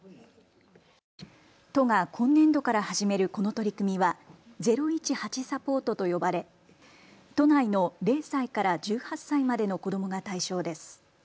都が今年度から始めるこの取り組みは０１８サポートと呼ばれ都内の０歳から１８歳までの子どもが対象です。